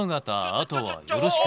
あとはよろしく。